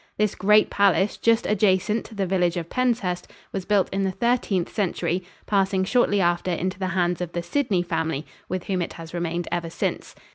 This great palace, just adjacent to the village of Penshurst, was built in the Thirteenth Century, passing shortly after into the hands of the Sidney family, with whom it has remained ever since.